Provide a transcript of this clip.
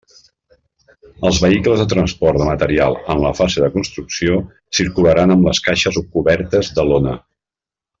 Els vehicles de transport de material, en la fase de construcció, circularan amb les caixes cobertes de lona.